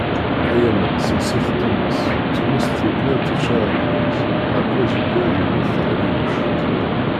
Ay aman senset times, times tugi ad tečč aɛekkaz, aɛekkaz yugi ad iwwet Tehriruc.